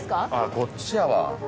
こっちやわ。